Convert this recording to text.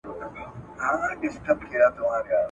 ورور او پلار وژني چي امر د سرکار وي `